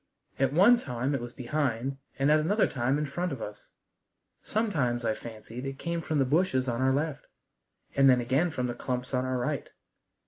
At one time it was behind and at another time in front of us. Sometimes I fancied it came from the bushes on our left, and then again from the clumps on our right.